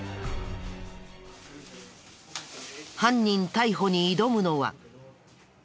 犯人逮捕に挑むのは。